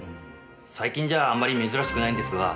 最近じゃああんまり珍しくないんですが。